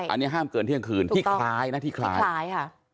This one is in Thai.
อันนี้ห้ามเกินเที่ยงคืนที่คล้ายนะที่คล้ายคล้ายค่ะ